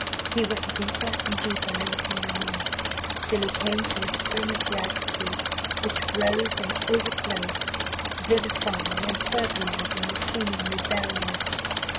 He went deeper and deeper into my mind, till he came to a spring of gratitude, which rose and overflowed, vivifying and fertilising the seemingly barren waste.